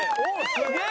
すげえ。